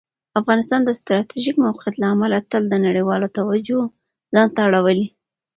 افغانستان د ستراتیژیک موقعیت له امله تل د نړیوالو توجه ځان ته اړولي ده.